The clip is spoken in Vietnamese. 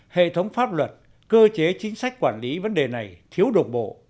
hệ thống pháp luật cơ chế chính sách quản lý vấn đề này thiếu độc bộ